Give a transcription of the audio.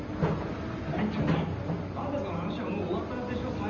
何言ってんの？あんたとの話はもう終わったはずでしょ。